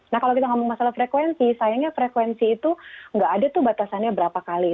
nah kalau kita ngomong masalah frekuensi sayangnya frekuensi itu nggak ada tuh batasannya berapa kali